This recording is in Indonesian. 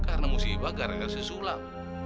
karena musibah gara gara si sulam